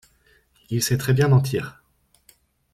Il sait très bien mentir.